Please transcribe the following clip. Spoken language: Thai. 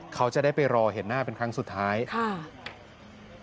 เขาจะได้ไปรอเห็นหน้าเป็นครั้งสุดท้ายค่ะ